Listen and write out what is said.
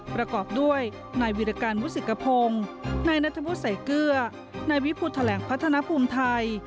ประกอบด้วยนายวิรการวุศิกพงศ์นายนัทวุฒิใส่เกลือนายวิพุทธแถลงพัฒนภูมิไทย